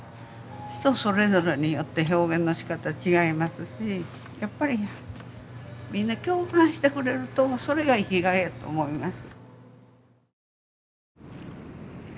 人それぞれによって表現のしかたは違いますしやっぱりみんな共感してくれるとそれが生きがいやと思います。